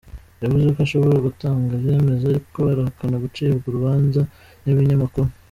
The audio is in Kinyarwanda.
Yavuze ko ashobora gutanga ivyemeza ariko arahakana gucibwa urubanza n'ibinyamakuru.